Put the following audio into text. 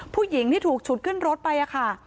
ผู้หญิงที่ถูกฉุดขึ้นรถไปค่ะ